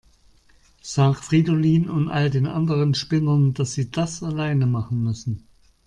Sag Fridolin und all den anderen Spinnern, dass sie das alleine machen müssen.